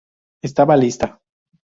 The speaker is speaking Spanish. Estaba lista.